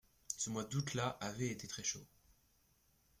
Ce mois d’août-là avait été très chaud.